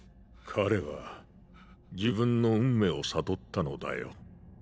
彼は自分の運命を悟ったのだよ。